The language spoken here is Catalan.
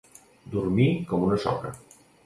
Dormir com una soca.